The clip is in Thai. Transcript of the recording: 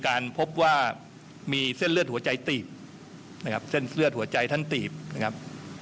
พบว่ามีเส้นเลือดหัวใจตีบนะครับเส้นเลือดหัวใจท่านตีบนะครับ